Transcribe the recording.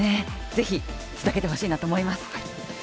ぜひつなげてほしいなと思います。